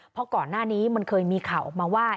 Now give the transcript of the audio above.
เพราะก่อนหน้านี้มันเคยมีข่าวออกมาว่า